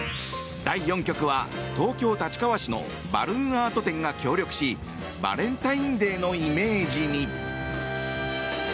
第４局は東京・立川市のバルーンアート店が協力しバレンタインデーのイメージに。